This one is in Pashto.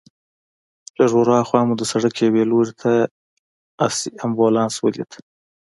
لږ ورهاخوا مو د سړک یوې لور ته آسي امبولانس ولید.